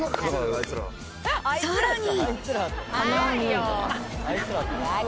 さらに。